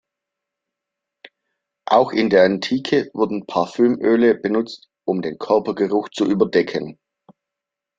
Auch in der Antike wurden Parfüm-Öle benutzt, um den Körpergeruch zu überdecken.